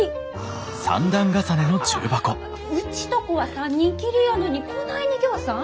うちとこは３人きりやのにこないにぎょうさん？